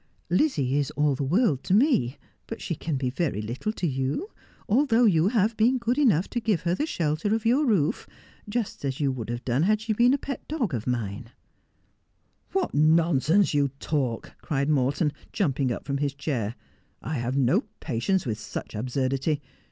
' Lizzie is all the world to me, but she can be very little to you ; although you have been good enough to give her the shelter of your roof, just as you would have done had she been a pet dog of mine.' x SC6 Just as I Am. ' What nonsense you talk !' cried Morton, jumping up from his chair. ' I have no patience with such absurdity.